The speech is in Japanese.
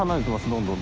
どんどん。